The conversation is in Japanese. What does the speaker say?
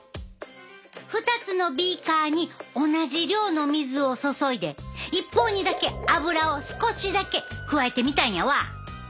２つのビーカーに同じ量の水を注いで一方にだけアブラを少しだけ加えてみたんやわ。